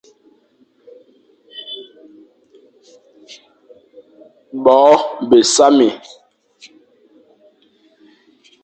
Bô besamé,